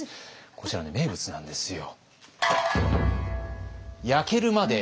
こちらね名物なんですよ。